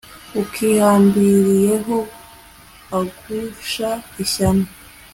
ukihambiriyeho, agusha ishyano